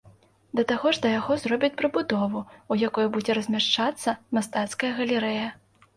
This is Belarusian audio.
Да таго ж да яго зробяць прыбудову, у якой будзе размяшчацца мастацкая галерэя.